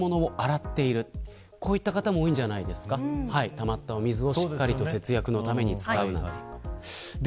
たまった水をしっかりと節約のために使う方。